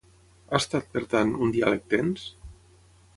Ha estat, per tant, un diàleg tens?